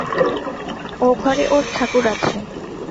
ও ঘরে ওঁর ঠাকুর আছে।